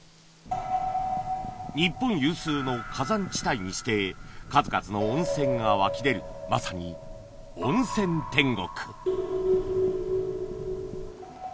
日本有数の火山地帯にして数々の温泉が湧き出るまさに温泉天国